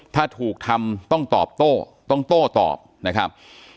ถ้าถูกทำต้องตอบโต้ต้องโต้ตอบนะครับ